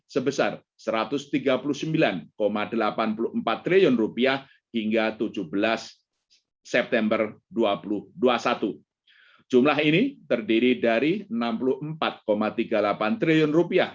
sebesar rp satu ratus tiga puluh sembilan delapan puluh empat triliun hingga tujuh belas september dua ribu dua puluh satu jumlah ini terdiri dari rp enam puluh empat tiga puluh delapan triliun